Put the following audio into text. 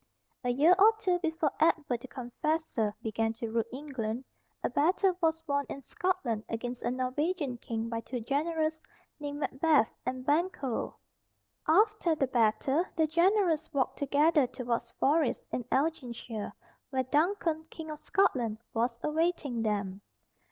A year or two before Edward the Confessor began to rule England, a battle was won in Scotland against a Norwegian King by two generals named Macbeth and Banquo. After the battle, the generals walked together towards Forres, in Elginshire, where Duncan, King of Scotland, was awaiting them.